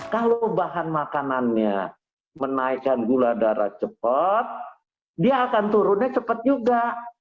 kalau bahan makanannya menaikkan gula darah cepat dia akan turunnya cepat juga